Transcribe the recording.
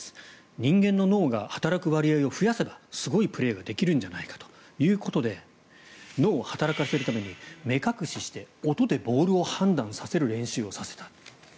人間の脳が働く割合を増やせばすごいプレーができるんじゃないかということで脳を働かせるために目隠して音でボールを判断させる練習をさせた。